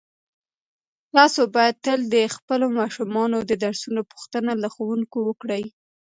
تاسو باید تل د خپلو ماشومانو د درسونو پوښتنه له ښوونکو وکړئ.